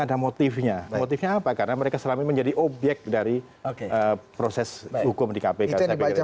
ada motifnya motifnya apa karena mereka selama ini menjadi obyek dari proses hukum di kpk saya pikir